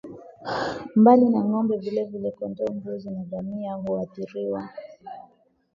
Mbali na ng'ombe vilevile kondoo mbuzi na ngamia huathiriwa